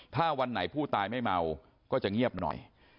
ถ้าวันไหนผู้ตายไม่เมาก็จะเงียบหน่อย